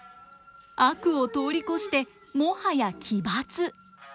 悪を通り越してもはや奇抜。